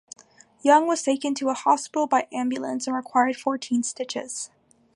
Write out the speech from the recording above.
Young was taken to a hospital by ambulance and required fourteen stitches.